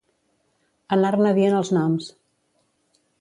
Anar-ne dient els noms.